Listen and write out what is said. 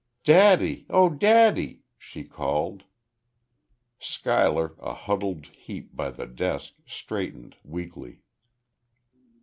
"Daddy! Oh, daddy!" she called. Schuyler, a huddled heap by the desk, straightened, weakly.